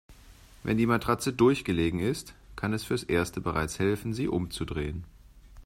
Wenn die Matratze durchgelegen ist, kann es fürs Erste bereits helfen, sie umzudrehen.